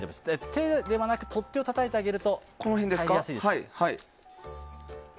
手ではなくて取っ手をたたいてあげると返りやすいです。